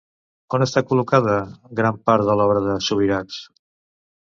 On està col·locada gran part de l'obra de Subirachs?